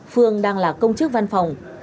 phương đang là công chức văn phòng